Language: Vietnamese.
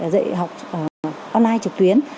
dạy học online trực tuyến